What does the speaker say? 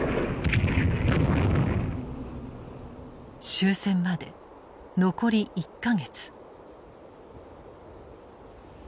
終戦まで残り１か月。